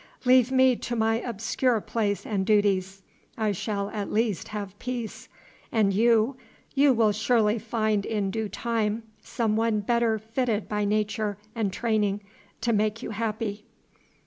Leave me to my obscure place and duties; I shall at least have peace; and you you will surely find in due time some one better fitted by Nature and training to make you happy."